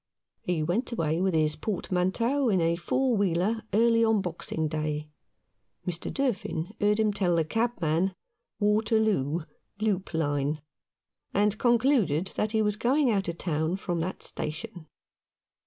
He went away with his portmanteau in a four wheeler early on Boxing Day. Mr. Durfin heard him tell the cabman, " Waterloo — loop line," and concluded that he was going out of town from that station.